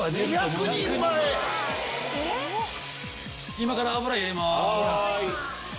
今から油入れます。